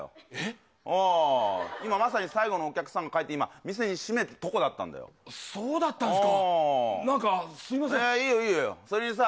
今まさに最後のお客さんが帰って今、店閉めたとこだったんだそうだったんですか。